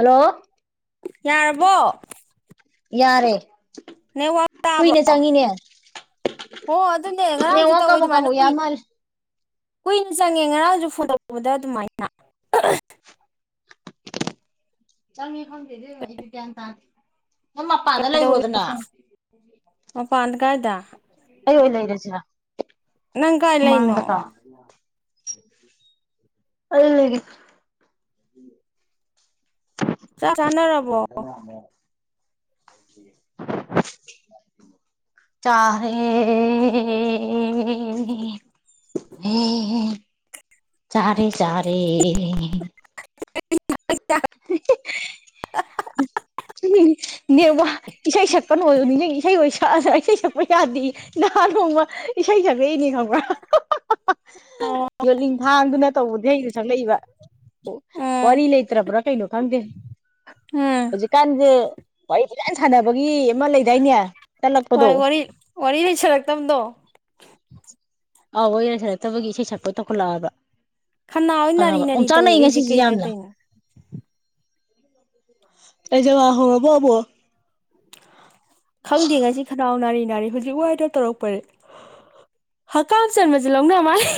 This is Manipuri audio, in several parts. ꯍꯜꯂꯣ ꯌꯥꯔꯕꯣ ꯌꯥꯔꯦ ꯅꯦꯋꯥꯛ ꯇꯥꯕ꯭ꯔꯣ ꯀꯨꯏꯅ ꯆꯪꯉꯤꯅꯦ ꯍꯣ ꯑꯗꯨꯅꯦ ꯉꯔꯥꯡꯖꯨ ꯅꯦꯠꯋꯥꯛ ꯇꯧꯋꯦ ꯀꯥꯕꯣꯛ ꯑꯗꯨꯃꯥꯏꯅ ꯀꯥꯕꯣꯛ ꯀꯨꯏ ꯌꯥ ꯃꯥꯜꯂꯦ ꯀꯨꯏꯅ ꯆꯪꯉꯦ ꯉꯔꯥꯡꯖꯨ ꯐꯣꯟ ꯇꯧꯔꯛꯄꯗ ꯑꯗꯨꯃꯥꯏꯅ ꯆꯪꯉꯦ ꯈꯪꯗꯦ ꯏꯕꯦꯝꯃ ꯑꯩꯖꯨ ꯒ꯭ꯌꯥꯟ ꯇꯥꯗꯦ ꯅꯪ ꯃꯄꯥꯟꯗ ꯀꯩꯗꯧ ꯂꯩꯔꯣꯗꯅ [unintelligible] ꯃꯄꯥꯟꯗ ꯀꯥꯏꯗ ꯑꯩ ꯑꯣꯏ ꯂꯩꯔꯁꯤꯔ ꯅꯪ ꯀꯥꯏ ꯂꯩꯅꯣ ꯁꯨꯃꯥꯡꯗꯇꯥ ꯑꯩ ꯂꯩꯒꯦ ꯆꯥꯛ ꯆꯥꯟꯅꯔꯕꯣ ꯆꯥꯔꯦ ꯑꯦ ꯍꯦ ꯆꯥꯔꯦ ꯆꯥꯔꯦ [unintelligible] [unintelligible] ꯅꯦꯠꯋꯥꯛ ꯏꯁꯩ ꯁꯛꯄ ꯅꯣꯌꯣ ꯅꯤꯡꯖꯪꯉꯤ ꯏꯁꯩ ꯑꯣꯏ ꯁꯛꯑꯁꯦ ꯏꯁꯩ ꯁꯛꯄ ꯌꯥꯗꯦ ꯅꯍꯥꯟ ꯅꯣꯡꯃ ꯏꯁꯩ ꯁꯛꯂꯛꯏꯅꯦ ꯈꯪꯕ꯭ꯔꯥ [unintelligible] ꯌꯣꯜꯂꯤꯊꯥꯡꯗꯨꯅ ꯇꯧꯕ ꯏꯁꯩꯗꯣ ꯁꯛꯂꯛꯏꯕ ꯎꯝ ꯋꯥꯔꯤ ꯂꯩꯇ꯭ꯔꯕ꯭ꯔꯥ ꯀꯩꯅꯣ ꯈꯪꯗꯦ ꯎꯝ ꯍꯧꯖꯤꯛꯀꯥꯟꯖꯦ ꯋꯥꯔꯤ ꯐꯖꯥꯟ ꯁꯥꯟꯅꯕꯒꯤ ꯑꯃ ꯂꯩꯗꯥꯏꯅꯦ ꯇꯠꯂꯛꯄꯗꯣ ꯍꯣꯏ ꯋꯥꯔꯤ ꯋꯥꯔꯤ ꯂꯩꯁꯜꯂꯛꯇꯕꯗꯣ ꯑꯥꯎ ꯋꯥꯔꯤ ꯂꯩꯁꯜꯂꯛꯇꯕꯒꯤ ꯏꯁꯩ ꯁꯛꯄ ꯇꯧꯈꯠꯂꯛꯑꯕ ꯈꯅꯥꯎꯁꯦ ꯅꯥꯔꯤ ꯈꯪꯉꯕ ꯅꯥꯔꯤ ꯇꯧꯏ ꯑꯣꯝꯆꯥꯛꯅꯩ ꯑꯩꯁꯦ ꯉꯁꯤꯁꯦ ꯀꯩꯃꯥꯏꯅ ꯌꯥꯝꯅ ꯇꯧꯔꯤꯅꯣ ꯑꯦꯖꯃꯥ ꯍꯧꯔꯕ ꯑꯃꯨꯛ ꯈꯪꯗꯦ ꯉꯁꯤ ꯈꯅꯥꯎ ꯅꯥꯔꯤ ꯅꯥꯔꯤ ꯍꯧꯖꯤꯛ ꯋꯥꯏꯗ ꯇꯧꯔꯛꯄꯅꯦ ꯍꯀꯥꯝ ꯆꯟꯕꯖꯦ ꯂꯧꯅ ꯃꯥꯜꯂꯦ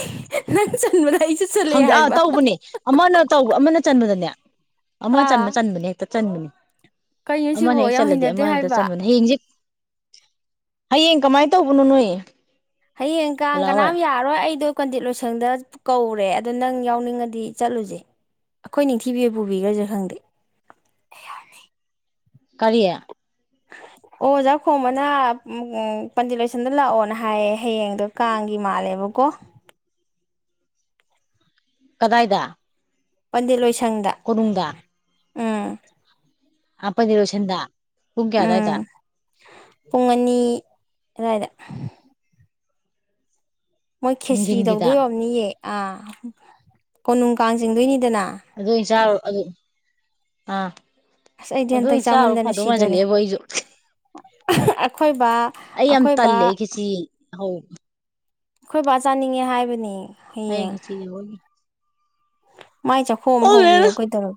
ꯅꯪ ꯆꯟꯕꯗ ꯑꯩꯁꯨ ꯆꯜꯂꯛꯑꯦ ꯈꯪꯗꯦ ꯑꯥ ꯍꯥꯏꯕ ꯇꯧꯕꯅꯦ ꯑꯃꯅ ꯇꯧꯕ ꯑꯃꯅ ꯆꯟꯕꯗꯅꯦ ꯑꯃ ꯑꯥ ꯆꯟꯕ ꯆꯟꯕꯅꯦ ꯍꯦꯛꯇ ꯆꯟꯕꯅꯦ ꯀꯩꯅꯣ ꯑꯃꯅ ꯁꯤꯕꯣ ꯍꯦꯛ ꯌꯥꯝ ꯆꯜꯂꯗꯤ ꯍꯩꯅꯗꯦ ꯑꯃꯍꯦꯛꯇ ꯍꯥꯏꯕ ꯆꯟꯕꯅꯦ ꯍꯌꯦꯡꯖꯦ ꯍꯌꯦꯡ ꯀꯃꯥꯏꯅ ꯇꯧꯕꯅꯣ ꯅꯣꯏ ꯍꯌꯦꯡ ꯀꯥꯡ ꯕꯂꯥ ꯍꯣꯏ ꯀꯅꯥꯝ ꯌꯥꯔꯔꯣꯏ ꯑꯩꯗꯣ ꯀꯟꯗꯤꯠ ꯂꯣꯏꯁꯪꯗ ꯀꯧꯔꯦ ꯑꯗꯣ ꯅꯪ ꯌꯥꯎꯅꯤꯡꯉꯗꯤ ꯆꯠꯂꯨꯖꯤ ꯑꯈꯣꯏ ꯅꯤꯡꯊꯤꯕꯤ ꯑꯣꯏ ꯄꯨꯕꯤꯒ꯭ꯔꯖꯤꯔꯥ ꯈꯪꯗꯦ ꯀꯔꯤ ꯑꯣ ꯑꯣꯖꯥ ꯈꯣꯝꯕꯅ ꯎꯝ ꯄꯟꯗꯤꯠ ꯂꯣꯏꯁꯪꯗ ꯂꯥꯛꯑꯣꯅ ꯍꯥꯏꯌꯦ ꯍꯌꯦꯡꯗꯣ ꯀꯥꯡꯒꯤ ꯃꯥꯜꯂꯦꯕꯀꯣ ꯀꯗꯥꯏꯗ? ꯄꯟꯗꯤꯠ ꯂꯣꯏꯁꯪꯗ꯫ ꯀꯣꯅꯨꯡꯗ? ꯎꯝ ꯑꯥ ꯄꯟꯗꯤ ꯂꯣꯏꯁꯤꯟꯗ ꯄꯨꯡ ꯀ꯭ꯌꯥ ꯑꯗꯥꯏꯗ? ꯎꯝ ꯄꯨꯡ ꯑꯅꯤ ꯑꯗ꯭ꯋꯥꯏꯗ ꯃꯣꯏ ꯈꯦꯆ꯭ꯔꯤ ꯅꯨꯡꯊꯤꯟꯒꯤꯗ ꯇꯧꯗꯣꯏ ꯑꯣꯝꯅꯤꯌꯦ ꯑꯥ ꯀꯣꯅꯨꯡ ꯀꯥꯡ ꯆꯤꯡꯗꯣꯏꯅꯤꯗꯅ ꯑꯗꯨꯑꯣꯏꯟ ꯆꯥꯔꯨ ꯑꯗꯨ ꯑꯥ ꯑꯁ ꯑꯩꯗꯤ ꯍꯟꯇꯛ ꯑꯗꯨꯑꯣꯏꯟ ꯆꯥꯔꯨ ꯐꯗꯣꯏ ꯃꯥꯖꯤꯜꯂꯛꯑꯦꯕ ꯑꯩꯁꯨ [unintelligible] [unintelligible] ꯑꯩꯈꯣꯏꯕ ꯑꯩ ꯌꯥꯝ ꯇꯜꯂꯦ ꯈꯦꯆ꯭ꯔꯤ ꯍꯧꯕ ꯑꯈꯣꯏ ꯕꯥ ꯆꯥꯅꯤꯡꯉꯦ ꯍꯥꯏꯕꯅꯤ ꯍꯌꯦꯡ ꯈꯦꯆ꯭ꯔꯤꯗꯦ ꯑꯣꯏꯅꯤ ꯃꯥꯏ ꯆꯥꯛꯈꯣꯝ ꯑꯝ ꯈꯪꯗꯦꯗ ꯍꯧꯕꯤꯔꯣ ꯀꯩꯗꯧꯔ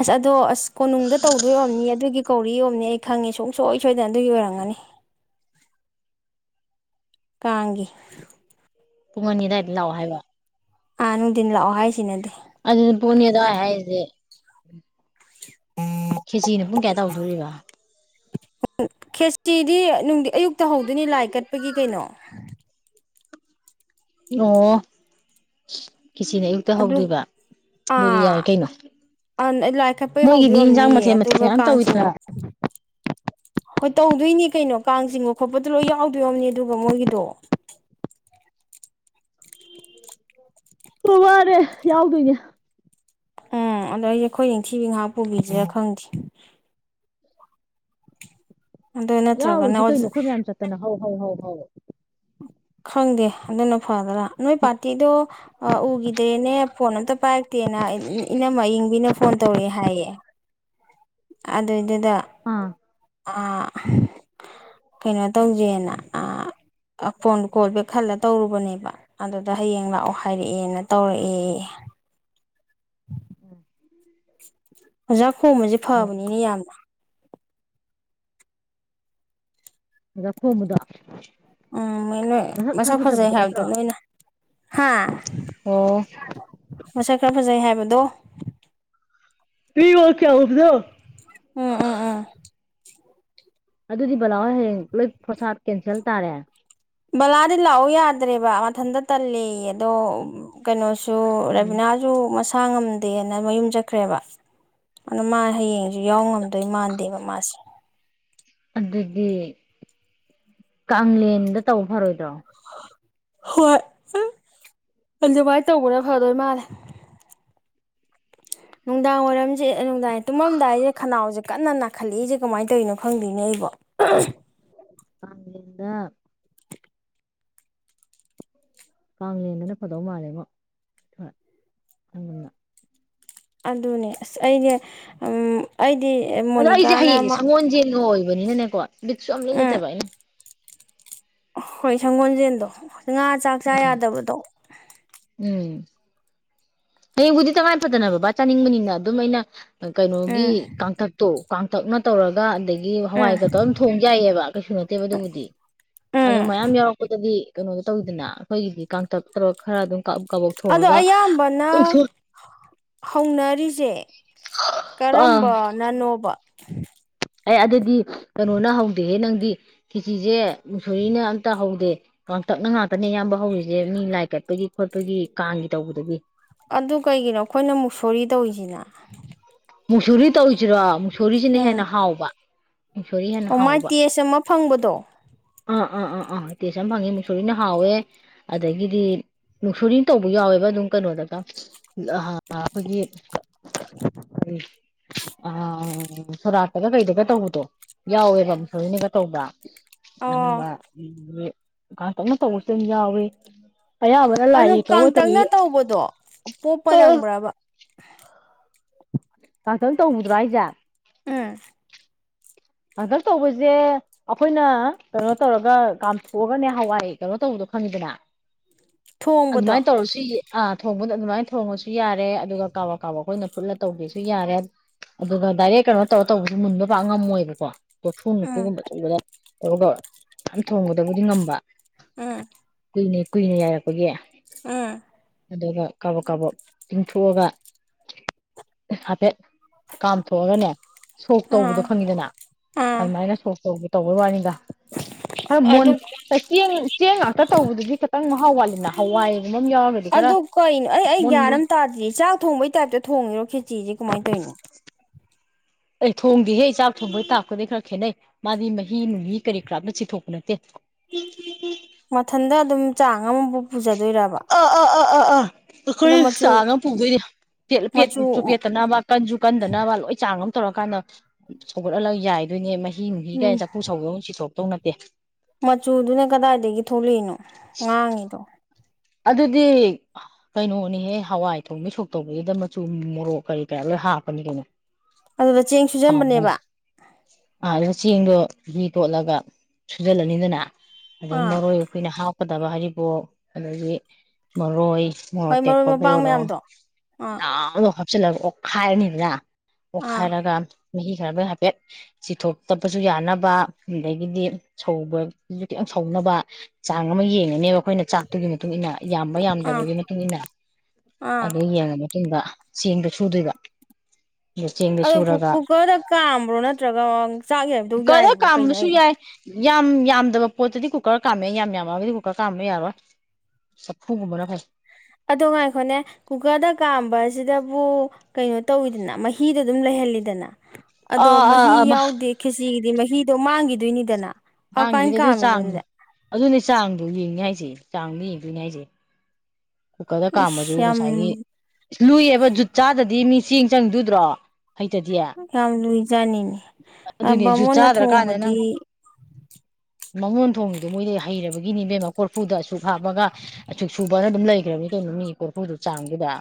ꯑꯁ ꯑꯗꯣ ꯑꯁ ꯀꯣꯅꯨꯡꯗ ꯇꯧꯗꯣꯏ ꯑꯣꯏꯑꯝꯅꯤꯌꯦ ꯑꯗꯨꯒꯤ ꯀꯧꯔꯤ ꯌꯣꯝꯅꯤ ꯑꯩ ꯈꯪꯉꯤ ꯁꯨꯡꯁꯣꯏ ꯁꯣꯏꯗꯅ ꯑꯗꯨꯒꯤ ꯑꯣꯏꯔꯝꯒꯅꯤ ꯀꯥꯡꯒꯤ ꯄꯨꯡ ꯑꯅꯤ ꯑꯗꯥꯏꯗ ꯂꯥꯛꯑꯣ ꯍꯥꯏꯕ? ꯑꯥ ꯅꯨꯡꯊꯤꯟ ꯂꯥꯛꯑꯣ ꯍꯥꯏꯁꯤꯅꯗꯤ ꯑꯗꯨꯗꯤ ꯄꯨꯡ ꯑꯅꯤ ꯑꯗꯨꯋꯥꯏ ꯍꯥꯏꯁꯤꯗꯤ [unintelligible] ꯈꯦꯆ꯭ꯔꯤꯅ ꯄꯨꯡ ꯀꯌꯥ ꯇꯧꯗꯣꯔꯤꯕ? [unintelligible] ꯈꯦꯆ꯭ꯔꯤꯗꯤ ꯅꯨꯡꯗꯤ ꯑꯌꯨꯛꯇ ꯍꯧꯗꯣꯏꯅꯤ ꯂꯥꯏ ꯀꯠꯄꯒꯤ ꯀꯩꯅꯣ [unintelligible] ꯑꯣ ꯈꯤꯆ꯭ꯔꯤꯅ ꯑꯌꯨꯛ ꯑꯗꯨꯛ ꯑꯥ ꯑꯟ ꯑꯥ ꯂꯥꯏꯈꯠꯄꯩ ꯍꯧꯗꯣꯏ ꯃꯣꯏꯒꯤꯗꯤ ꯏꯟꯖꯥꯡ ꯑꯣꯏꯝꯅꯤꯌꯦ ꯃꯊꯦꯜ ꯃꯊꯦꯜ ꯑꯗꯨꯒ ꯌꯥꯝ ꯀꯥꯡ ꯇꯧꯋꯤꯗꯅ ꯆꯤꯡꯒꯨꯞ ꯍꯣꯏ ꯇꯧꯗꯣꯏꯅꯤ ꯀꯩꯅꯣ ꯀꯥꯡ ꯆꯤꯡꯕ ꯈꯣꯠꯄꯗꯣ ꯂꯣꯏ ꯌꯥꯎꯗꯣꯏ ꯑꯣꯏꯝꯅꯤ ꯑꯗꯨꯒ ꯃꯣꯏꯒꯤꯗꯣ ꯑꯗꯨ ꯋꯥꯔꯦ ꯌꯥꯎꯗꯣꯏꯅꯦ ꯎꯝ ꯑꯗꯣ ꯑꯩꯁꯦ ꯈꯣꯏ ꯅꯤꯡꯊꯤꯕꯤ ꯉꯥꯏꯍꯥꯛ ꯄꯨꯕꯤꯁꯤꯔꯥ ꯈꯪꯗꯦ ꯑꯗꯣ ꯅꯠꯇ꯭ꯔꯒꯅ ꯌꯥꯎꯔꯨꯖꯤ ꯀꯩꯅꯣ ꯈꯣꯏ ꯃꯌꯥꯝ ꯆꯠꯇꯅꯥ ꯍꯧ ꯍꯧ ꯍꯧ ꯍꯧ ꯈꯪꯗꯦ ꯑꯗꯨꯅ ꯐꯗ꯭ꯔꯥ ꯅꯣꯏ ꯄꯥꯔꯇꯤꯗꯣ ꯑꯥ ꯎꯈꯤꯗ꯭ꯔꯦꯅꯦ ꯐꯣꯟ ꯑꯝꯇ ꯄꯥꯏꯔꯛꯇꯦꯅ [unintelligible] ꯏꯅꯝꯃꯥ ꯑꯌꯤꯡꯕꯤꯅ ꯐꯣꯟ ꯇꯧꯔꯛꯑꯦ ꯍꯥꯏꯌꯦ ꯑꯗꯨꯏꯗꯨꯗ ꯑꯥ ꯑꯥ [unintelligible] ꯀꯩꯅꯣ ꯇꯧꯖꯦꯅ ꯑꯥ ꯑꯐꯣꯟ ꯀꯣꯜ ꯕꯦꯛ ꯈꯜꯂ ꯇꯧꯔꯨꯕꯅꯦꯕ ꯑꯗꯨꯗ ꯍꯌꯦꯡ ꯂꯥꯛꯑꯣ ꯍꯥꯏꯔꯛꯑꯦꯅ ꯇꯧꯔꯛꯑꯦ [inaudible] ꯑꯣꯖꯥ ꯀꯣꯝꯕꯁꯦ ꯑꯣ ꯐꯕꯅꯤꯅꯦ ꯑꯣꯖꯥ ꯌꯥꯝꯅ ꯑꯣꯖꯥ ꯈꯣꯝꯕꯗꯣ ꯎꯝ ꯅꯣꯏ ꯃꯁꯛ ꯈꯔ ꯐꯖꯩ ꯐꯖꯕꯗꯣ ꯍꯥꯏꯕꯗꯣ ꯅꯠꯇ꯭ꯔꯣ? ꯅꯣꯏꯅ ꯍꯥ ꯑꯣ ꯈꯣꯏ ꯁꯥꯔ ꯗꯣ ꯃꯁꯛ ꯈꯔ ꯐꯖꯩ ꯍꯥꯏꯕꯗꯣ ꯃꯤ ꯋꯥꯡ ꯆꯎꯕꯗꯣ ꯎꯝ ꯎꯝ ꯎꯝ ꯑꯗꯨꯗꯤ ꯕꯥꯂꯥ ꯍꯣꯏ ꯍꯌꯦꯡ ꯂꯣꯏ ꯐ꯭ꯔꯣꯁꯠ ꯀꯦꯟꯁꯦꯜ ꯇꯥꯔꯦ? ꯕꯂꯥꯗꯤ ꯂꯥꯛꯑꯣ ꯌꯥꯗ꯭ꯔꯦꯕ ꯃꯊꯟꯇ ꯇꯜꯂꯦꯌꯦ ꯑꯗꯣ ꯀꯩꯅꯣꯁꯨ ꯎꯝ ꯔꯕꯤꯅꯥꯁꯨ ꯃꯁꯥ ꯉꯝꯗꯦꯅ ꯃꯌꯨꯝ ꯆꯠꯈ꯭ꯔꯦꯕ ꯑꯗꯨꯅ ꯃꯥ ꯍꯌꯦꯡꯁꯨ ꯌꯥꯎ ꯉꯝꯗꯣꯏ ꯃꯥꯟꯗꯦꯕ ꯃꯥꯁꯦ ꯑꯗꯨꯗꯤ ꯀꯥꯡꯂꯦꯟꯗ ꯇꯧ ꯐꯔꯣꯏꯗ꯭ꯔꯣ ꯍꯣꯏ ꯑꯗꯨꯃꯥꯏꯅ ꯇꯧꯕꯅ ꯐꯗꯣꯏ ꯃꯥꯜꯂꯦ ꯅꯨꯡꯗꯥꯡ ꯋꯥꯏꯔꯝꯁꯦ ꯅꯨꯡꯗꯥꯡꯌꯦ ꯇꯨꯝꯃꯝꯗꯥꯏꯁꯦ ꯈꯅꯥꯎꯁꯦ ꯀꯟꯅ ꯅꯥꯈꯠꯂꯛꯏꯁꯦ ꯀꯃꯥꯏꯅ ꯇꯧꯔꯤꯅꯣ ꯈꯪꯗꯤꯅꯦ ꯑꯩꯕꯣ [unintelligible] ꯀꯥꯡꯂꯦꯟꯗ ꯀꯥꯡꯂꯦꯟꯗꯅ ꯐꯗꯧ ꯃꯥꯜꯂꯦꯉꯣ ꯍꯣꯏ [unintelligible] ꯑꯗꯨꯅꯦ ꯑꯁ ꯑꯩꯁꯦ ꯎꯝ ꯑꯩꯗꯤ ꯑꯗꯣ ꯑꯩꯁꯦ ꯃꯣꯅꯤꯀꯥꯅ ꯍꯌꯦꯡꯁꯦ ꯃꯥ ꯁꯪꯒꯣꯜꯁꯦꯜꯒ ꯑꯣꯏꯕꯅꯤꯅꯅꯦꯀꯣ ꯕꯤꯠꯁꯨ [unintelligible] ꯎꯝ ꯂꯩꯠꯇꯕ ꯑꯩꯅ ꯍꯣꯏ ꯁꯪꯒꯣꯜꯁꯦꯟꯗꯣ ꯉꯥ ꯆꯥꯛ ꯆꯥ ꯎꯝ ꯌꯥꯗꯕꯗꯣ ꯎꯝ ꯍꯌꯦꯡꯕꯨꯗꯤ ꯇꯉꯥꯏ ꯐꯗꯅ ꯕꯕꯥ ꯆꯥꯅꯤꯡꯕꯅꯤꯅ ꯑꯗꯨꯝ ꯑꯩꯅ ꯀꯩꯅꯣꯒꯤ ꯎꯝ ꯀꯥꯡꯇꯛꯇꯣ ꯀꯥꯡꯇꯛꯅ ꯇꯧꯔꯒ ꯑꯗꯒꯤ ꯎꯝ ꯍꯋꯥꯏꯒ ꯇꯧꯔꯒ ꯑꯗꯨꯝ ꯊꯣꯡ ꯌꯥꯏꯌꯦꯕ ꯀꯩꯁꯨ ꯅꯠꯇꯦꯕ ꯑꯗꯨꯕꯨꯗꯤ ꯑꯗꯣ ꯎꯝ ꯃꯌꯥꯝ ꯌꯥꯎꯔꯛꯄꯗꯗꯤ ꯀꯩꯅꯣꯗꯨ ꯇꯧꯋꯤꯗꯅ ꯑꯩꯈꯣꯏꯒꯤꯗꯤ ꯀꯥꯡꯇꯛ ꯇꯧꯔꯒ ꯈꯔ ꯑꯗꯨꯝ ꯀꯥ ꯀꯥꯕꯣꯛ ꯊꯣꯡꯉꯒ ꯅ ꯍꯧꯅꯔꯤꯁꯦ ꯑꯥ ꯀꯔꯝꯕꯅꯅꯣꯕ ꯑꯦ ꯑꯗꯨꯗꯤ ꯀꯩꯅꯣꯅ ꯍꯧꯗꯦꯍꯦ ꯅꯪꯗꯤ ꯀꯤꯆꯤꯁꯦ ꯃꯨꯁꯣꯔꯤꯅ ꯑꯝꯇ ꯍꯧꯗꯦ ꯀꯥꯡꯥꯡꯇꯛꯅ ꯉꯥꯛꯇꯅꯦ ꯑꯌꯥꯝꯕ ꯍꯧꯔꯤꯁꯦ ꯃꯤ ꯂꯥꯏ ꯀꯠꯄꯒꯤ ꯈꯣꯠꯄꯒꯤ ꯀꯥꯡꯒꯤ ꯇꯧꯕꯗꯒꯤ ꯑꯗꯨ ꯀꯩꯒꯤꯅꯣ ꯑꯩꯈꯣꯏꯅ ꯃꯨꯛꯁꯣꯔꯤ ꯇꯧꯔꯤꯁꯤꯅ ꯃꯨꯛꯁꯣꯔꯤ ꯇꯧꯔꯤꯁꯤꯔꯣ ꯃꯨꯛꯁꯣꯔꯤꯁꯤꯅ ꯍꯦꯟꯅ ꯍꯥꯎꯕ ꯃꯨꯛꯁꯣꯔꯤ ꯍꯦꯟꯅ ꯑꯣꯃꯥꯏ ꯍꯥꯎꯕ ꯇꯦꯁ ꯑꯃ ꯐꯪꯕꯗꯣ ꯑꯥ ꯑꯥ ꯑꯥ ꯑꯥ ꯇꯦꯁ ꯑꯃ ꯐꯪꯉꯦ ꯃꯨꯛꯁꯣꯔꯤꯅ ꯍꯥꯎꯋꯦ ꯑꯗꯒꯤꯗꯤ ꯃꯨꯛꯁꯣꯔꯤꯅ ꯇꯧꯕ ꯌꯥꯎꯋꯦꯕ ꯑꯗꯨꯝ ꯀꯩꯅꯣꯗꯒ ꯑ ꯑꯩꯈꯣꯏꯒꯤ [unintelligible] ꯑ ꯁꯣꯔꯥꯠꯇꯒ ꯀꯩꯗꯒ ꯇꯧꯕꯗꯣ ꯌꯥꯎꯋꯦꯕ ꯃꯨꯛꯁꯣꯔꯤꯅꯒ ꯇꯧꯕ ꯑꯅꯝꯕ ꯑꯣ [unintelligible] ꯀꯥꯡꯇꯛꯅ ꯇꯧꯕꯁꯨ ꯑꯗꯨꯝ ꯌꯥꯎꯋꯤ ꯑꯌꯥꯝꯕꯅ ꯑꯗꯣ ꯂꯥꯏꯒꯤ ꯇꯧ ꯃꯇꯝꯗꯤ ꯀꯥꯡꯇꯛꯅ ꯇꯧꯕꯗꯣ ꯄꯣꯞꯄ ꯑ ꯅꯪꯕ꯭ꯔꯕ ꯀꯥꯡꯇꯛꯅ ꯇꯧꯕꯗꯨꯔꯣ ꯍꯥꯏꯦꯁꯦ ꯎꯝ ꯀꯥꯡꯇꯛꯅ ꯇꯧꯕꯁꯦ ꯑꯩꯈꯣꯏꯅ ꯀꯩꯅꯣ ꯇꯧꯔꯒ ꯀꯥꯝꯊꯣꯛꯑꯒꯅꯦ ꯍꯋꯥꯏ ꯀꯩꯅꯣ ꯇꯧꯕꯗꯣ ꯈꯪꯉꯤꯗꯅ ꯊꯣꯡꯕꯗꯣ ꯑꯗꯨꯃꯥꯏꯅ ꯇꯧꯔꯁꯨꯏ ꯑꯥ ꯊꯣꯡꯕꯗ ꯑꯗꯨꯃꯥꯏꯅ ꯊꯣꯡꯉꯁꯨ ꯌꯥꯔꯦ ꯑꯗꯨꯒ ꯀꯥꯕꯛ ꯀꯥꯕꯛ ꯑꯩꯈꯣꯏꯅ ꯐꯨꯠꯂ ꯇꯧꯒꯦꯁꯨ ꯌꯥꯔꯦ ꯑꯗꯨꯒ ꯗꯥꯏꯔꯦꯛ ꯀꯩꯅꯣ ꯇꯧꯔ ꯇꯧꯕꯁꯨ ꯃꯨꯟꯕ ꯄꯥꯛ ꯉꯝꯃꯣꯏꯕ ꯀꯣ ꯀꯣꯔꯐꯨ ꯅꯨꯡꯐꯨ ꯎꯝ ꯒꯨꯝꯕ ꯑꯆꯧꯕꯗ [unintelligible] ꯃꯌꯥꯝ ꯊꯣꯡꯕꯗꯕꯨꯗꯤ ꯉꯝꯕ ꯎꯝ ꯀꯨꯏꯅꯦ ꯀꯨꯏꯅ ꯌꯥꯏꯔꯛꯄꯒꯤ ꯎꯝ ꯑꯗꯨꯒ ꯀꯥꯕꯣꯛ ꯀꯥꯕꯣꯛ ꯇꯤꯡꯊꯣꯛꯑꯒ ꯍꯥꯏꯐꯦꯠ ꯀꯥꯝꯊꯣꯛꯑꯒꯅꯦ ꯁꯣꯛ ꯇꯧꯕꯗꯣ ꯑꯥ ꯈꯪꯉꯤꯗꯅ ꯑꯥ ꯑꯗꯨꯃꯥꯏꯅ ꯁꯣꯛ ꯇꯧ ꯇꯧꯕꯩ ꯋꯥꯅꯤꯗ ꯈꯔ ꯃꯣꯟ ꯑꯗꯨ ꯆꯦꯡ ꯆꯦꯡ ꯉꯥꯛꯇ ꯇꯧꯕꯗꯨꯗꯤ ꯈꯤꯇꯪ ꯃꯍꯥꯎ ꯋꯥꯠꯂꯤꯅ ꯍꯋꯥꯏꯒꯨꯝꯕ ꯑꯃ ꯌꯥꯎꯔꯒꯗꯤ ꯈꯔ ꯑꯗꯨ ꯀꯩꯅꯣ ꯑꯩ ꯑꯩ ꯃꯨꯟ ꯒ꯭ꯌꯥꯟ ꯃꯨꯟ ꯑꯃ ꯇꯥꯗꯤꯌꯦ ꯆꯥꯛ ꯊꯣꯡꯕꯩ ꯇꯥꯏꯞꯇ ꯊꯣꯡꯉꯤꯔꯣ ꯈꯦꯆꯤꯁꯦ ꯀꯃꯥꯏꯅ ꯇꯧꯔꯤꯅꯣ ꯑꯦ ꯊꯣꯡꯗꯦꯍꯦ ꯆꯥꯛ ꯊꯣꯡꯕꯩ ꯇꯥꯥꯛꯄꯗꯩ ꯈꯔ ꯈꯦꯠꯅꯩ ꯃꯥꯗꯤ ꯃꯍꯤ ꯅꯨꯡꯍꯤ ꯀꯔꯤ ꯀꯔꯥ ꯑꯃꯠ ꯆꯤꯊꯣꯛꯄ ꯅꯠꯇꯦ ꯃꯊꯟꯗ ꯑꯗꯨꯝ ꯆꯥꯡ ꯑꯃꯕꯨ ꯄꯨꯖ ꯑ ꯑꯥ ꯑꯥ ꯑꯥ ꯑꯥ ꯑꯗꯣ ꯑꯩꯈꯣꯏꯅ ꯃꯆꯨ ꯆꯥꯡ ꯑꯃ ꯄꯨꯗꯣꯏꯅꯦ ꯄꯦꯠ ꯃꯆꯨ ꯄꯦꯠꯁꯨ ꯄꯦꯠꯇꯅꯕ ꯀꯟꯁꯨ ꯀꯟꯗꯅꯕ ꯂꯣꯏ ꯆꯥꯡ ꯑꯃ ꯇꯧꯔꯀꯥꯟꯗ ꯁꯧꯒꯠꯍꯜꯂꯒ ꯌꯥꯏꯗꯣꯏꯅꯦ ꯃꯍꯤ ꯍꯤ ꯅꯨꯡꯍꯤ ꯒꯥꯏ ꯎꯝ ꯆꯐꯨ ꯁꯧꯕꯧ ꯆꯤꯊꯣꯛꯇꯧ ꯅꯠꯇꯦ ꯃꯆꯨꯗꯨꯅ ꯀꯗꯥꯏꯗꯒꯤ ꯊꯣꯛꯂꯛꯏꯅꯣ ꯉꯥꯡꯉꯤꯗꯣ ꯑꯗꯨꯗꯤ ꯀꯩꯅꯣꯅꯤꯍꯦ ꯍꯋꯥꯏ ꯊꯣꯡꯕꯩ ꯁꯣꯛ ꯇꯧꯕꯗꯨꯗ ꯃꯆꯨ ꯃꯣꯔꯣꯛ ꯀꯔꯤ ꯀꯔꯥ ꯂꯣꯏ ꯍꯥꯞꯄꯅꯤ ꯀꯩꯅꯣ ꯑꯗꯨꯗ ꯆꯦꯡ ꯁꯨꯖꯟꯕꯅꯦꯕ ꯑꯥ ꯑꯗꯨꯗ ꯆꯦꯡꯗꯣ ꯙꯤ ꯇꯣꯠꯂꯒ ꯁꯨꯖꯜꯂꯅꯤꯗꯅ ꯑꯗꯩ ꯑꯥ ꯃꯔꯣꯏ ꯑꯩꯈꯣꯏꯅ ꯍꯥꯞꯀꯗꯕ ꯍꯔꯤꯕꯣꯞ ꯑꯗꯒꯤ ꯃꯔꯣꯏ ꯍꯣꯏ ꯃꯔꯣꯏ ꯃꯣꯔꯣꯛꯑꯇꯦꯛꯄꯕꯨ ꯃꯄꯥꯡ ꯑꯣꯏꯔꯣ ꯃꯌꯥꯝꯗꯣ ꯑꯥ ꯃꯌꯥꯝꯗꯣ ꯍꯥꯞ ꯆꯤꯜꯂꯒ ꯑꯣꯠꯈꯥꯏꯔꯅꯤꯗꯅ ꯑꯥ ꯑꯣꯠꯈꯥꯏꯔꯒ ꯃꯍꯤ ꯈꯔꯕ ꯍꯥꯏꯐꯦꯠ ꯆꯤꯊꯣꯛꯇꯄꯁꯨ ꯌꯥꯅꯕ ꯑꯗꯒꯤꯗꯤ ꯁꯧꯕꯖꯨ ꯈꯤꯇꯪ ꯁꯧꯅꯕ ꯆꯥꯡ ꯑꯃ ꯌꯦꯡꯉꯅꯦꯕ ꯑꯩꯈꯣꯏꯅ ꯆꯥꯛ ꯑꯗꯨꯒꯤ ꯃꯇꯨꯡ ꯏꯟꯅ ꯌꯥꯝꯕ ꯑꯥ ꯌꯥꯝꯗꯕꯒꯤ ꯃꯇꯨꯡ ꯏꯟꯅ ꯑꯥ ꯑꯗꯨ ꯌꯦꯡꯉꯅꯤ ꯑꯨꯡꯗ ꯆꯦꯡꯗꯣ ꯁꯨꯗꯣꯏꯕ ꯆꯦꯡꯗꯣ ꯑꯗꯣ ꯀꯨ ꯁꯨꯔꯒ ꯀꯨꯀꯔꯗ ꯀꯥꯝꯕ꯭ꯔꯣ ꯅꯠꯇ꯭ꯔꯒ ꯆꯥꯛ ꯌꯥꯏꯕꯗꯧ ꯀꯂ ꯌꯥꯏꯕ꯭ꯔꯣ ꯀꯩꯅꯣ ꯀꯥꯝꯕꯁꯨ ꯑꯩ ꯌꯥꯏ ꯌꯥꯝ ꯌꯥꯝꯗꯕ ꯄꯣꯠꯇꯗꯤ ꯀꯨꯀꯔ ꯀꯥꯝꯃꯩ ꯌꯥꯝ ꯌꯥꯝꯃꯛꯑꯒꯗꯤ ꯀꯨꯀꯔ ꯀꯥꯝꯕ ꯌꯥꯔꯣꯏ ꯆꯐꯨꯒꯨꯝꯕꯅ ꯐꯩ ꯑꯗꯣ ꯉꯥꯏꯈꯣꯅꯦ ꯀꯨꯀꯔꯗ ꯀꯥꯝꯕ ꯑꯁꯤꯗꯕꯨ ꯀꯩꯅꯣ ꯇꯧꯋꯤꯗꯅ ꯃꯍꯤꯗꯣ ꯑꯗꯨꯝ ꯂꯩꯍꯜꯂꯤꯗꯅ ꯑꯗꯣ ꯑꯥ ꯃꯍꯤ ꯑꯥ ꯑꯃ ꯌꯥꯎꯗꯦ ꯈꯦꯆꯤꯒꯤꯗꯤ ꯃꯍꯤꯗꯣ ꯃꯥꯡꯒꯤꯗꯣꯏꯅꯤꯗꯅ ꯃꯥꯡꯒꯤꯗꯣꯏꯅꯤ ꯑꯗꯨ ꯆꯥꯡ ꯑꯗꯨꯅꯦ ꯆꯥꯡꯗꯣ ꯌꯦꯡꯅꯤ ꯍꯥꯏꯁꯦ ꯆꯥꯡꯗꯣ ꯌꯦꯡꯗꯣꯏꯅꯦ ꯍꯥꯏꯁꯦ ꯀꯨꯀꯔꯗ ꯀꯥꯝꯃꯖꯨ ꯏꯁ ꯌꯥꯝ ꯉꯁꯥꯏꯒꯤ ꯂꯨꯏꯌꯦꯕ ꯖꯨꯠ ꯆꯥꯗꯗꯤ ꯃꯤ ꯆꯦꯡ ꯆꯪꯉꯤꯗꯣ ꯎꯗ꯭ꯔꯣ ꯍꯩꯇꯗꯤ ꯌꯥꯝ ꯂꯨꯏꯖꯥꯠꯅꯤꯅꯦ ꯑꯗꯨꯅꯦ ꯖꯨꯠ ꯕꯥꯃꯣꯟꯅ ꯆꯥꯗ꯭ꯔꯀꯥꯟꯗ ꯅꯪ ꯊꯣꯡꯕꯗꯤ ꯕꯥꯃꯣꯟ ꯊꯣꯡꯉꯤꯗꯣ ꯃꯣꯏꯗꯤ ꯍꯩꯔꯕꯒꯤꯅꯦ ꯏꯕꯦꯝꯃ ꯀꯣꯔꯐꯨꯗ ꯑꯁꯨꯛ ꯍꯥꯞꯄꯒ ꯑꯁꯨꯛ ꯁꯨ ꯕꯅ ꯑꯗꯨꯝ ꯂꯩꯒ꯭ꯔꯕꯅꯤ ꯀꯩꯅꯣ ꯃꯤ ꯀꯣꯔꯐꯨꯗꯨ ꯆꯥꯡꯗꯨꯗ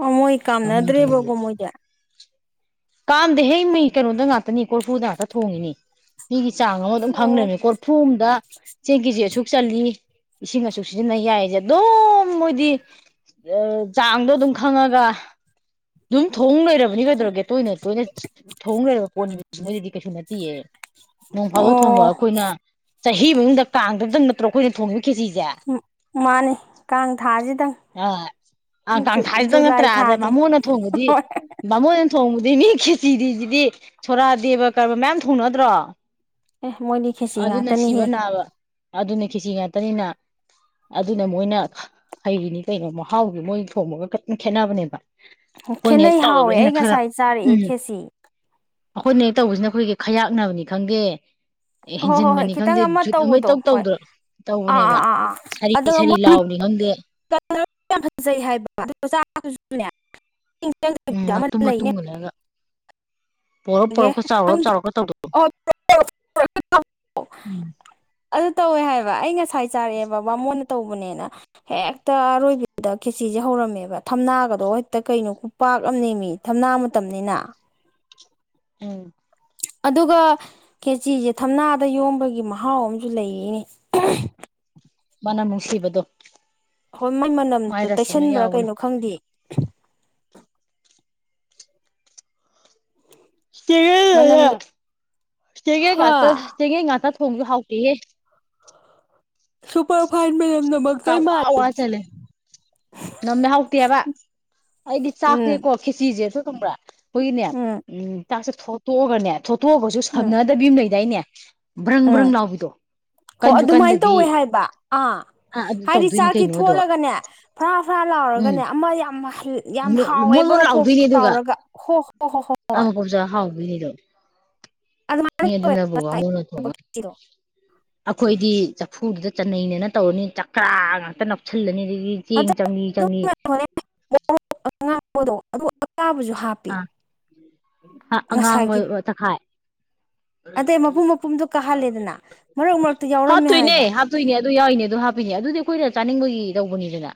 ꯑꯣ ꯃꯣꯏ ꯕꯥꯃꯣꯟ ꯀꯥꯝꯅꯗ꯭ꯔꯦꯕꯀꯣ ꯊꯣꯡꯉꯤꯗꯨꯗꯤ ꯃꯣꯏꯗꯤ ꯀꯥꯝꯗꯦꯍꯦ ꯃꯩ ꯀꯩꯅꯣꯗ ꯉꯥꯛꯇꯅꯤ ꯀꯣꯔꯐꯨꯗ ꯉꯥꯛꯇ ꯊꯣꯡꯉꯤꯅꯤ ꯃꯤꯒꯤ ꯆꯥꯡ ꯑꯃ ꯑꯗꯨꯝ ꯈꯪ ꯑꯣ ꯂꯩꯔꯃꯤ ꯀꯣꯔꯐꯨ ꯑꯃꯗ ꯆꯦꯡ ꯀꯦꯖꯤ ꯑꯁꯨꯛ ꯆꯜꯂꯤ ꯏꯁꯤꯡ ꯑꯁꯨꯛ ꯁꯤꯖꯤꯟꯅ ꯌꯥꯏꯖꯦ ꯑꯗꯨꯝ ꯃꯣꯏꯗꯤ ꯑꯥ ꯆꯥꯡꯗꯣ ꯑꯗꯨꯝ ꯈꯪꯉꯒ ꯑꯗꯨꯝ ꯊꯣꯡ ꯂꯩꯔꯕꯅꯤ ꯀꯩꯗꯧꯔꯒꯦ ꯇꯣꯏꯅ ꯇꯣꯏꯅ ꯊꯣꯡ ꯂꯩꯔꯕ ꯄꯣꯠꯅꯤꯕ ꯃꯣꯏꯗꯗꯤ ꯀꯩꯁꯨ ꯅꯠꯇꯤꯌꯦ ꯅꯣꯡ ꯐꯥꯗꯣꯛ ꯊꯣꯡꯕ ꯑꯣ ꯑꯈꯣꯏꯅ ꯆꯍꯤ ꯃꯅꯨꯡꯗ ꯀꯥꯡꯗꯨꯝꯗꯪ ꯅꯠꯇ꯭ꯔꯣ ꯑꯈꯣꯏꯅ ꯊꯣꯡꯉꯤꯕ ꯈꯦꯆꯤꯖꯦ ꯍꯨꯞ ꯃꯥꯅꯤ ꯀꯥꯡ ꯊꯥꯖꯤꯗꯪ ꯑꯥ ꯀꯥꯡꯊꯥꯖꯤꯗꯪ ꯅꯠꯇ꯭ꯔꯥ ꯑꯗ ꯊꯥꯁꯦ ꯕꯥꯃꯣꯟꯅ ꯊꯣꯡꯕꯗꯤ ꯍꯣꯏ ꯕꯥꯃꯣꯟꯅ ꯊꯣꯡꯕꯗꯩ ꯃꯤ ꯈꯦꯆꯤꯗꯤꯁꯤꯗꯤ ꯁꯣꯔꯥꯠ ꯗꯦꯕ ꯀꯔꯃꯥ ꯃꯌꯥꯝ ꯊꯣꯡꯅꯗ꯭ꯔꯣ ꯑꯦ ꯃꯣꯏꯗꯤ ꯈꯦꯁꯤ ꯑꯗꯨꯅ ꯁꯤꯕ ꯉꯥꯛꯇꯅꯤꯍꯦ ꯅꯥꯕ ꯑꯗꯨꯅ ꯈꯦꯁꯤ ꯉꯥꯛꯇꯅꯤꯅ ꯑꯗꯨꯅ ꯃꯣꯏꯅ ꯍꯩꯔꯤꯅꯤ ꯀꯩꯅꯣ ꯃꯍꯥꯎꯖꯨ ꯃꯣꯏꯟ ꯊꯣꯡꯉꯒ ꯀꯩꯏꯝ ꯈꯦꯠꯅꯕꯅꯦꯕ ꯑꯩꯈꯣꯏꯅ ꯍꯦꯛ ꯈꯦꯠꯅꯩ ꯍꯥꯎꯋꯦ ꯇꯧꯔꯕꯁꯤꯅ ꯑꯩ ꯈꯔ ꯉꯁꯥꯏ ꯆꯥꯔꯛꯑꯦ ꯈꯦꯆꯤ ꯑꯈꯣꯏꯅ ꯍꯦꯛ ꯇꯧꯕꯁꯤꯅ ꯑꯈꯣꯏꯒꯤ ꯈꯌꯥꯛꯅꯕꯅꯤ ꯈꯪꯗꯦ ꯍꯣꯏ ꯍꯣꯏ ꯍꯣꯏ ꯍꯦꯟꯖꯤꯟꯕꯅꯤ ꯈꯤꯇꯪ ꯈꯪꯗꯦ ꯖꯨꯠ ꯑꯃ ꯇꯧꯕꯗꯣ ꯏꯇꯧ ꯍꯣꯏ ꯇꯧꯗ꯭ꯔꯣ ꯑꯥ ꯇꯧꯕꯅꯦꯕ ꯑꯥ ꯑꯥ ꯑꯥ ꯁꯥꯔꯤ ꯑꯗꯨꯒ ꯁꯥꯔꯤ ꯃꯣꯏ ꯂꯥꯎꯕꯅꯤ ꯈꯪꯗꯦ [unintelligible] ꯌꯥꯝ ꯐꯖꯩ ꯍꯥꯏꯕ ꯑꯗꯨ ꯃꯆꯥꯗꯨꯖꯨꯅꯦ [unintelligible] ꯎꯝ ꯆꯪꯗꯕꯤꯗ ꯑꯃ ꯃꯇꯨꯝ ꯃꯇꯨꯝ ꯂꯩꯅꯦ ꯃꯨꯜꯂꯒ ꯄꯣꯔꯞ ꯄꯣꯔꯞꯀ ꯆꯥꯎꯔꯞ ꯆꯥꯎꯔꯞꯀ ꯇꯧꯗꯣ [unintelligible] ꯎꯝ ꯑꯗꯨ ꯇꯧꯋꯦ ꯍꯥꯏꯕ ꯑꯩ ꯉꯁꯥꯏ ꯆꯥꯔꯛꯑꯦꯕ ꯕꯥꯃꯣꯟꯅ ꯇꯧꯕꯅꯦꯅ ꯍꯦꯛꯇ ꯑꯔꯣꯏꯕꯤꯗ ꯈꯦꯆꯤꯖꯦ ꯍꯧꯔꯝꯃꯦꯕ ꯊꯝꯅꯥꯒꯗꯣ ꯍꯦꯛꯇ ꯀꯩꯅꯣ ꯈꯨ ꯄꯥꯛ ꯑꯝꯅꯦꯃꯤ ꯊꯝꯅꯥ ꯃꯇꯝꯅꯤꯅ ꯎꯝ꯫ ꯑꯗꯨꯒ ꯈꯦꯆꯁꯦ ꯊꯝꯅꯥꯗ ꯌꯣꯝꯕꯒꯤ ꯃꯍꯥꯎ ꯑꯃꯁꯨ ꯂꯩꯔꯤꯅꯦ꯫ ꯃꯅꯥꯝ ꯅꯨꯡꯁꯤꯕꯗꯣ꯫ [unintelligible] ꯃꯥꯏ ꯃꯅꯝꯗꯣ ꯔꯁ ꯑꯃ ꯇꯩꯁꯟꯕ꯭ꯔꯥ ꯌꯥꯎꯕꯅꯦ ꯀꯩꯅꯣ ꯈꯪꯗꯦ꯫ ꯃꯅꯝꯗꯣ [unintelligible] ꯍꯥ ꯆꯦꯉꯦꯉꯥꯛꯇ ꯆꯦꯉꯦꯉꯥꯛꯇ ꯊꯣꯡꯕꯁꯨ ꯍꯥꯎꯇꯤꯍꯦ꯫ ꯁꯨꯄꯔ ꯐꯥꯏꯟ ꯀꯥ ꯃꯅꯝꯅꯃꯥꯛꯇꯣꯏ ꯃꯥꯜꯂꯤ ꯅꯝꯃꯦ ꯍꯧꯇꯦꯕ ꯑꯩꯗꯤ ꯎꯝ ꯆꯥꯛꯁꯦꯀꯣ ꯈꯦꯆꯁꯦꯁꯨ ꯈꯪꯕ꯭ꯔꯥ ꯑꯩꯈꯣꯏꯒꯤꯅꯦ ꯎꯝ ꯇꯥꯛꯁꯦ ꯊꯣꯇꯣꯛꯑꯒꯅꯦ ꯊꯣꯇꯣꯛꯑꯒꯁꯨ ꯎꯝ ꯁꯝꯅꯗꯕꯤ ꯑꯃ ꯂꯩꯗꯥꯏꯅꯦ꯫ ꯕ꯭ꯔꯪ ꯕ꯭ꯔꯪ ꯂꯥꯎꯕꯤꯗꯣ꯫ ꯍꯣ ꯀꯟꯁꯨ ꯑꯗꯨꯃꯥꯏꯅ ꯀꯟꯗꯕꯤ ꯇꯧꯋꯦ ꯍꯥꯏꯕ ꯑꯥ ꯑꯥ ꯑꯗꯨ ꯍꯥꯏꯗꯤ ꯇꯧꯗꯣꯏꯅꯤ ꯆꯥꯛꯇꯤ ꯀꯩꯅꯣꯗꯣ ꯊꯣꯂꯒꯅꯦ꯫ ꯐꯔꯥ ꯐꯔꯥ ꯎꯝ ꯂꯥꯎꯔꯒꯅꯦ ꯑꯃ ꯌꯥꯝ ꯌꯥꯝ ꯃꯣꯠ ꯍꯥꯎꯋꯦꯕ ꯃꯣꯠ ꯃꯄꯣꯛ ꯇꯧꯔꯒ꯫ ꯍꯣ ꯍꯣ ꯍꯣ ꯍꯣ ꯍꯣꯏ ꯑꯃꯀꯨꯞꯆꯥ ꯍꯥꯎꯕꯤꯅꯤꯗꯣ ꯃꯤ ꯑꯗꯨꯅꯕꯨ ꯕꯥꯃꯣꯟꯅ ꯊꯣꯡꯉꯥ ꯇꯤꯔꯣ ꯑꯩꯈꯣꯏꯗꯤ ꯆꯐꯨꯒꯤꯗꯣ ꯆꯟꯅꯩꯅꯅ ꯇꯧꯔꯅꯤ ꯆꯀ꯭ꯔꯥ ꯉꯥꯛꯇ ꯅꯥꯄꯁꯤꯜꯂꯅꯤ ꯑꯗꯒꯤ ꯆꯦꯡ ꯆꯪꯏ ꯆꯪꯏ [unintelligible] ꯑꯉꯥꯡꯄꯗꯣ ꯑꯗꯨ ꯑꯀꯥꯕꯁꯨ ꯍꯥꯞꯄ ꯑꯥ ꯑꯉꯥꯡꯕ ꯇꯥꯡꯈꯥꯏ꯫ ꯑꯇꯩ ꯃꯄꯨꯝ ꯃꯄꯨꯝꯗꯣ ꯀꯥꯍꯜꯂꯦꯗꯅ ꯃꯔꯛ ꯃꯔꯛꯇ ꯌꯥꯎꯔꯝꯃꯦ ꯍꯥꯞꯇꯣꯏꯅꯦ ꯍꯥꯏꯕ ꯍꯥꯞ ꯑꯗꯣꯏꯅꯦ ꯑꯗꯨ ꯌꯥꯎꯏꯅꯦ ꯑꯗꯨ ꯍꯥꯞꯄꯤꯅꯦ ꯑꯗꯨꯗꯤ ꯑꯩꯈꯣꯏꯅ ꯆꯥꯅꯤꯡꯕꯒꯤ ꯇꯧꯕꯅꯤꯗꯅ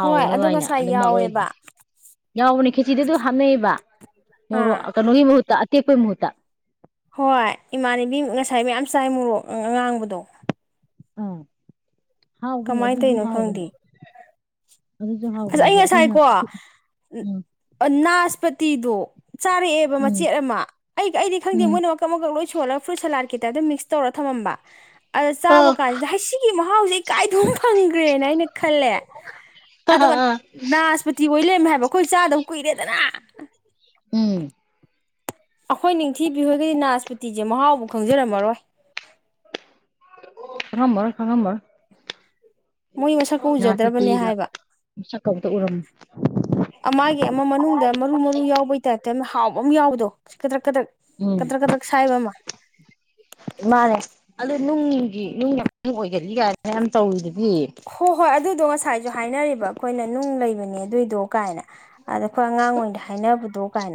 ꯍꯣꯏ ꯑꯗꯣ ꯍꯥꯏꯅ ꯉꯁꯥꯏ ꯑꯗꯨꯝ ꯃꯔꯨ ꯑꯣꯏꯅ ꯌꯥꯎꯋꯦꯕ ꯌꯥꯎꯕꯅꯦ ꯈꯦꯆꯤꯗ ꯑꯗꯨ ꯍꯥꯞꯅꯩꯕ ꯃꯣꯔꯣꯛ ꯑꯥ ꯀꯩꯅꯣꯒꯤ ꯃꯍꯨꯠꯇ ꯑꯇꯦꯛꯄꯒꯤ ꯃꯍꯨꯠꯇ ꯍꯣꯏ ꯏꯃꯥꯟꯅꯕꯤ ꯉꯁꯥꯏ ꯃꯌꯥꯝ ꯆꯥꯏ ꯃꯣꯔꯣꯛ ꯑꯉꯥꯡꯕꯗꯣ ꯎꯝ ꯍꯥꯎꯕꯅꯦ ꯀꯃꯥꯏꯅ ꯑꯗꯨꯁꯨ ꯇꯧꯔꯤꯅꯣ ꯈꯪꯗꯦ ꯍꯥꯎꯕꯅꯦ꯫ ꯑꯗꯨꯁꯨ ꯑꯁ ꯑꯩ ꯍꯥꯎꯕꯅꯦꯗꯤ ꯑꯩꯈꯣꯏꯅ ꯉꯁꯥꯏꯀꯣ ꯎꯝ ꯅꯥꯁꯄꯇꯤꯗꯣ ꯆꯥꯔꯛꯑꯦꯕ ꯎꯝ ꯃꯆꯦꯠ ꯑꯃ ꯑꯩ ꯑꯩꯗꯤ ꯈꯪꯗꯦ ꯎꯝ ꯃꯣꯏꯅ ꯃꯥꯀꯛ ꯃꯥꯥꯀꯛ ꯂꯣꯏ ꯁꯣꯜꯂꯒ ꯐ꯭ꯔꯨꯠ ꯁꯂꯥꯠꯀꯤ ꯇꯥꯏꯞꯇ ꯃꯤꯛꯁ ꯇꯧꯔ ꯊꯃꯝꯕ ꯑꯗ ꯆꯥꯕ ꯑꯣ ꯀꯥꯟꯁꯤꯗ ꯍꯩ ꯁꯤ ꯁꯤ ꯃꯍꯥꯎꯁꯤ ꯑꯩ ꯀꯥꯏꯗꯥꯅꯣꯃꯥ ꯐꯪꯈ꯭ꯔꯦꯅ ꯑꯩꯅ ꯈꯜꯂꯦ ꯑꯗꯨꯒ ꯑꯥ ꯅꯥꯁꯄꯇꯤ ꯑꯣꯏ ꯂꯩꯔꯝꯃꯦ ꯍꯥꯏꯕ ꯑꯩꯈꯣꯏ ꯆꯥꯗꯕ ꯀꯨꯏꯔꯦꯗꯅ ꯎꯝ꯫ ꯑꯈꯣꯏ ꯅꯤꯡꯊꯤꯕꯤ ꯍꯣꯏꯒꯗꯤ ꯅꯥꯁꯄꯨꯇꯤꯖꯦ ꯃꯍꯥꯎꯕꯨ ꯈꯪꯖꯔꯝꯃꯔꯣꯏ꯫ ꯈꯪꯉꯝꯃꯥꯔꯣꯏ ꯈꯪꯉꯝꯃꯥꯔꯣꯏ꯫ ꯃꯣꯏ ꯃꯁꯛꯄꯨ ꯎꯖꯗ꯭ꯔꯕꯅꯦ ꯍꯥꯏꯕ꯫ ꯁꯛꯀꯥ ꯑꯝꯇꯥ ꯎꯔꯝ ꯃꯥꯒꯤ ꯑꯃꯥ ꯃꯅꯨꯡꯗ ꯃꯔꯨ ꯃꯔꯨ ꯌꯥꯎꯕꯩ ꯇꯥꯞꯏꯇꯥ ꯍꯥꯎꯕ ꯑꯃ ꯌꯥꯎꯕꯗꯣ ꯁꯤ ꯀꯗ꯭ꯔꯛ ꯀꯗ꯭ꯔꯛ ꯎꯝ ꯀꯗꯔꯛ ꯀꯗ꯭ꯔꯛ ꯁꯥꯏꯕ ꯑꯃꯥ꯫ ꯃꯥꯅꯦ ꯑꯗꯨ ꯅꯨꯡꯒꯤ ꯅꯨꯡꯒꯤ ꯌꯥꯝ ꯑꯣꯏꯒꯅꯤ ꯒꯥꯏ ꯌꯥꯝ ꯇꯧꯋꯤꯗꯨꯗꯤ ꯍꯣꯏ ꯍꯣꯏ ꯑꯗꯨꯗꯣ ꯉꯁꯥꯏꯁꯨ ꯍꯥꯏꯅꯔꯤꯕ ꯑꯩꯈꯣꯏꯅ ꯅꯨꯡ ꯂꯩꯕꯅꯦ ꯑꯗꯨꯏꯗꯣ ꯀꯥꯏꯅ꯫ ꯑꯗꯥ ꯑꯈꯣꯏ ꯑꯉꯥꯡ ꯑꯣꯏꯅ ꯍꯥꯏꯅꯕꯗꯣ꯫ ꯀꯥꯏꯅ